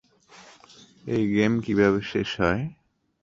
এই গেম কিভাবে শেষ হয়?